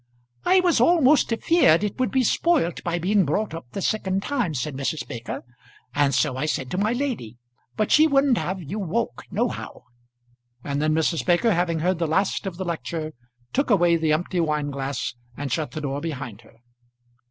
"I was almost afeard it would be spoilt by being brought up the second time," said Mrs. Baker. "And so I said to my lady; but she wouldn't have you woke, nohow." And then Mrs. Baker, having heard the last of the lecture, took away the empty wine glass and shut the door behind her.